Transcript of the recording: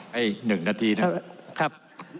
ให้๑นาทีนะครับ